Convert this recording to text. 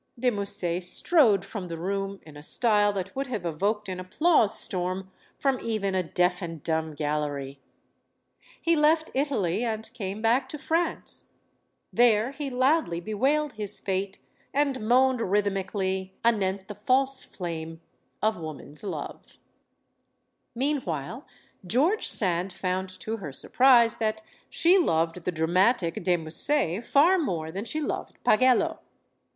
De Musset strode strode from the room in a style that would have evoked an applause storm from even a deaf and dumb gallery. He left Italy and came back to France. There he loudly bewailed his fate and moaned rhythmically anent the false flame of woman's love. GEORGE SAND 165 Meanwhile, George Sand found to her surprise that she loved the dramatic de Musset far more than she loved Pagello.